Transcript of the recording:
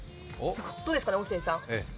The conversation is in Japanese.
どうですかね、音声さん？